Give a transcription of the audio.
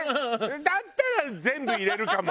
だったら全部入れるかも。